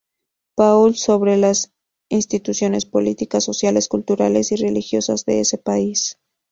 Paul, sobre las instituciones políticas, sociales, culturales y religiosas de ese país.